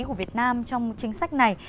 của việt nam trong chính sách này